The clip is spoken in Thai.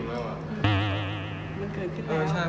ไม่เกินขึ้นแล้ว